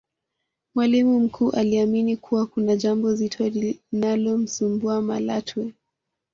mwalimu mkuu aliamini kuwa kuna jambo zito linalomsumbua Malatwe